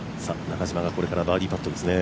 中島がこれからバーディーパットですね。